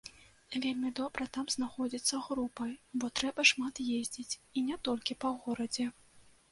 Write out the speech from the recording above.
Вельмі добра там знаходзіцца групай, бо трэба шмат ездзіць, і не толькі па горадзе.